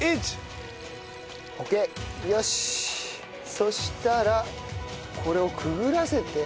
そしたらこれをくぐらせて。